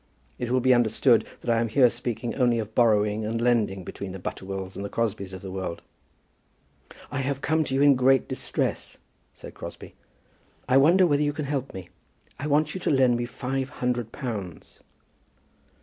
It will be understood that I am here speaking only of borrowing and lending between the Butterwells and Crosbies of the world. "I have come to you in great distress," said Crosbie. "I wonder whether you can help me. I want you to lend me five hundred pounds." Mr.